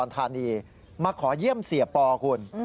ประทานีมาขอย่ี้มเซียปอลคุณ